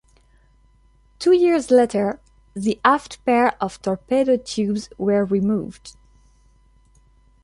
Two years later, the aft pair of torpedo tubes were removed.